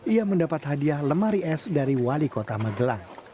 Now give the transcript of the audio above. ia mendapat hadiah lemari es dari wali kota magelang